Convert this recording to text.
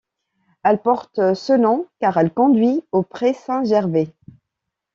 Elle porte ce nom car elle conduit au Pré-Saint-Gervais.